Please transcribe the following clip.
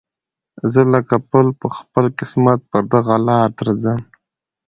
زه لکه پل په خپل قسمت پر دغه لاره درځم